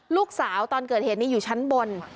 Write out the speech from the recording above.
ตอนเกิดเหตุนี้อยู่ชั้นบน